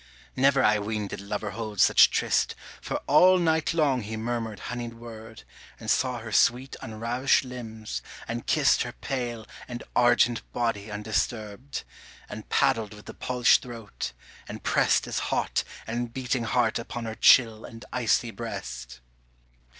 Never I ween did lover hold such tryst, For all night long he murmured honeyed word, And saw her sweet unravished limbs, and kissed Her pale and argent body undisturbed, And paddled with the polished throat, and pressed His hot and beating heart upon her chill and icy breast.